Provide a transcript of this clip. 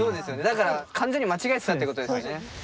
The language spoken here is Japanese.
だから完全に間違えてたってことですよね。